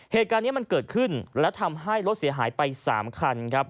เหตุการณ์นี้มันเกิดขึ้นแล้วทำให้รถเสียหายไป๓คันครับ